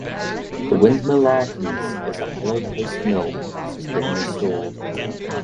The windmill "Arkens" is a hollow post mill which has been restored.